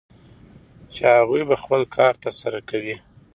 چې هغوی به خپل کار ترسره کوي